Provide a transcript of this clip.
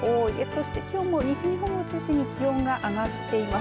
そしてきょうも西日本を中心に気温が上がっています。